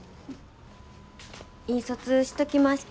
印刷しときました。